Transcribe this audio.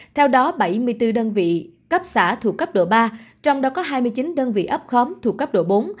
theo đó bảy mươi bốn đơn vị cấp xã thuộc cấp độ ba trong đó có hai mươi chín đơn vị ấp khóm thuộc cấp độ bốn